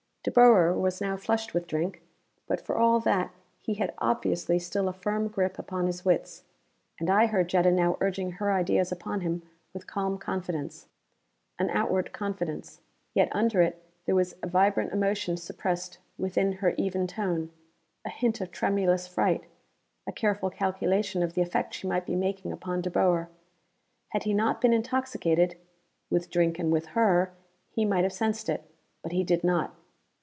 De Boer was now flushed with drink, but for all that he had obviously still a firm grip upon his wits. And I heard Jetta now urging her ideas upon him with calm confidence. An outward confidence; yet under it there was a vibrant emotion suppressed within her even tone; a hint of tremulous fright; a careful calculation of the effect she might be making upon De Boer. Had he not been intoxicated with drink and with her he might have sensed it. But he did not.